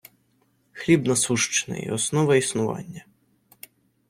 Хліб насущний - основа існування